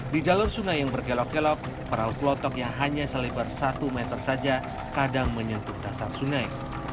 di jalur sungai yang bergelok gelok peral klotok yang hanya selibar satu meter saja kadang menyentuh dasar sungai